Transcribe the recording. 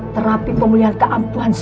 terapi pemulihan keampuan